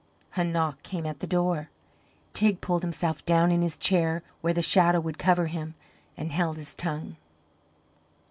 A knock came at the door. Teig pulled himself down in his chair where the shadow would cover him, and held his tongue.